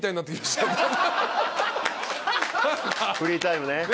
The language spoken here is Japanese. フリータイム。